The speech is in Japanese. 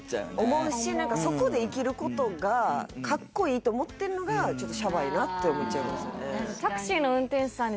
思うし何かそこでイキることがかっこいいと思ってるのがちょっとシャバいなって思っちゃいますよね